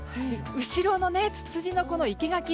後ろのツツジの生け垣